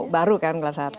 baru kan kelas satu